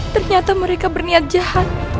ternyata mereka berniat jahat